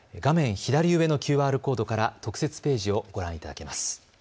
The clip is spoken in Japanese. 左上のＱＲコードから特設ページをご覧いただけます。